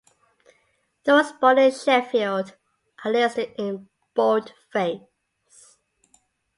Those born in Sheffield are listed in boldface.